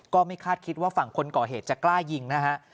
ก็ไม่คาดคิดว่าฝั่งคนก่อเหตุจะกล้ายิงนะฮะ